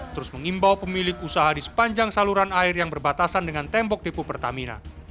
terus mengimbau pemilik usaha di sepanjang saluran air yang berbatasan dengan tembok depo pertamina